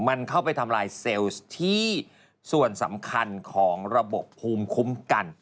มันเข้าไปทำลายเซลล์ที่ส่วนสำคัญของระบบภูมิคุ้มกัน